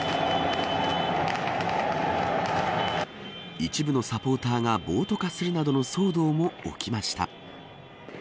一部のサポーターが暴徒化するなどの騒動も起きました。